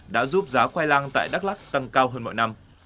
đã giúp giá khoai lang tăng hơn